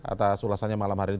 atas ulasannya malam hari ini